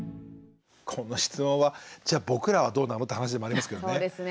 この質問はじゃあ僕らはどうなのって話でもありますけどね。そうですね。